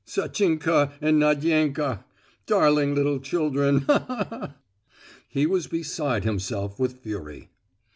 Sachinka and Nadienka!(2) darling little children. Ha ha ha!" He was beside himself with fury.